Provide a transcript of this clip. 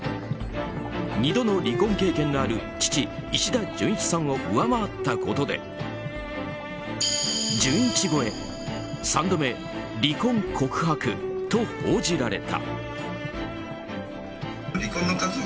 ２度の離婚経験のある父・石田純一さんを上回ったことで純一超え、３度目離婚告白と報じられた。